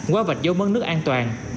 hóa vạch dấu mất nước an toàn